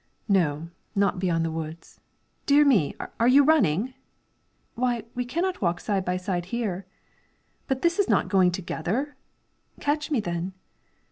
"No, not beyond the woods. Dear me! are you running?" "Why, we cannot walk side by side here." "But this is not going together?" "Catch me, then!"